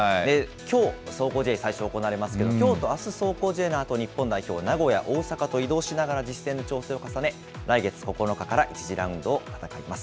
きょう、壮行試合、最初行われますけれども、きょうとあす、壮行試合のあとに、日本代表、名古屋、大阪と移動しながら実戦で調整を重ね、来月９日から１次ラウンドを戦います。